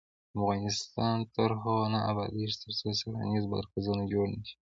افغانستان تر هغو نه ابادیږي، ترڅو څیړنیز مرکزونه جوړ نشي.